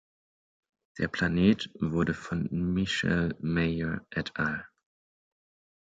Der Planet wurde von Michel Mayor et al.